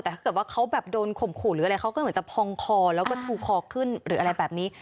แต่ถ้าเกิดว่าเขาแบบโดนข่มขู่หรืออะไรเขาก็เหมือนจะพองคอแล้วก็ชูคอขึ้นหรืออะไรแบบนี้